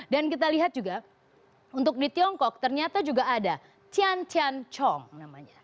dan kita lihat juga untuk di tiongkok ternyata juga ada tian tian chong namanya